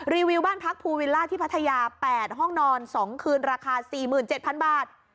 รีวิวบ้านพักภูวิลล่าที่พัทยา๘ห้องนอน๒คืนราคา๔๗๐๐บาท